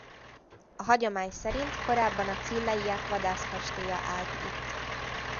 A hagyomány szerint korábban a Cilleiek vadászkastélya állt itt.